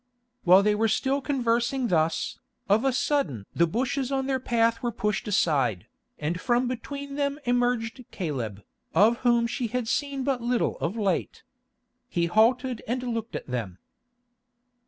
While they were still conversing thus, of a sudden the bushes on their path were pushed aside, and from between them emerged Caleb, of whom she had seen but little of late. He halted and looked at them.